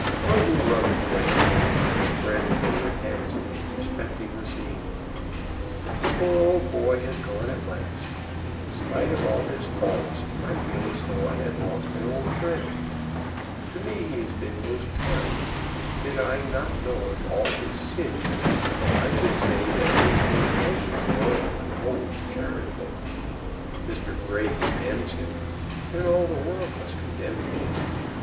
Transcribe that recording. Merton wrote the next morning to his friend Henry Annesley respecting the scene. "The poor old boy has gone at last, and, in spite of all his faults, I feel as though I had lost an old friend. To me he has been most kind, and did I not know of all his sins I should say that he had been always loyal and always charitable. Mr. Grey condemns him, and all the world must condemn him.